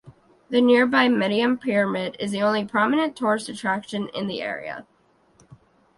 The nearby Meidum pyramid is the only prominent tourist attraction in the area.